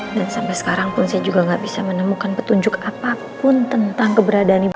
dan sampai sekarang pun saya juga gak bisa menemukan petunjuk apapun tentang keberadaan ibu